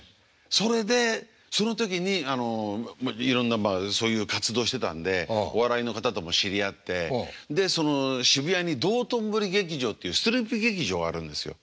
それでその時にいろんなそういう活動してたんでお笑いの方とも知り合ってで渋谷に道頓堀劇場っていうストリップ劇場があるんですよ。